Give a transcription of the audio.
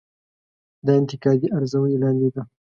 دا انتقادي ارزونې لاندې ده.